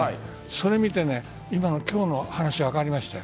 それを見て今日の話が分かりましたよ。